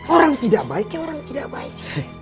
orang tidak baik ya orang tidak baik